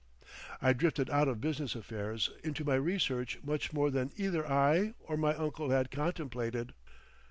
I drifted out of business affairs into my research much more than either I or my uncle had contemplated.